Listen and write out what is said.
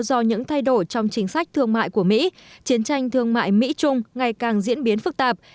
do những thay đổi trong chính sách thương mại của mỹ chiến tranh thương mại mỹ trung ngày càng diễn biến phức tạp